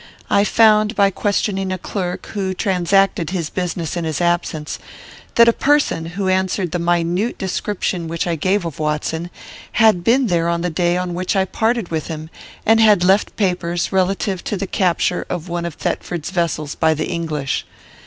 I found, by questioning a clerk, who transacted his business in his absence, that a person, who answered the minute description which I gave of Watson, had been there on the day on which I parted with him, and had left papers relative to the capture of one of Thetford's vessels by the English.